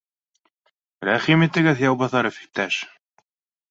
— Рәхим итегеҙ, Яубаҫаров иптәш